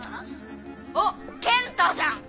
あっ健太じゃん。